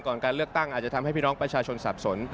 การเลือกตั้งอาจจะทำให้พี่น้องประชาชนสับสน